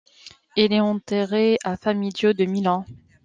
Il est enterré à Famedio de Milan.